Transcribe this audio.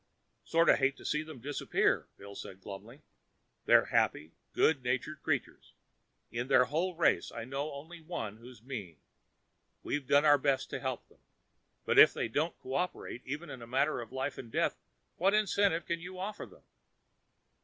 "Sort of hate to see them disappear," Bill said glumly. "They're happy, good natured creatures. In their whole race, I know only one who's mean. We've done our best to help them. But if they won't cooperate even in a matter of life and death, what incentive can you offer them?"